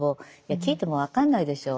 聞いても分かんないでしょう。